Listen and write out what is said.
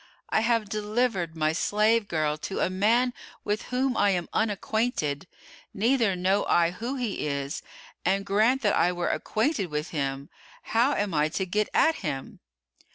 I have delivered my slave girl to a man with whom I am unacquainted, neither know I who he is; and grant that I were acquainted with him, how am I to get at him?"